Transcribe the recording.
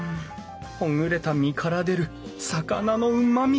ほぐれた身から出る魚のうまみ！